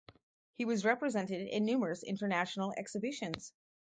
He was represented at numerous international exhibitions.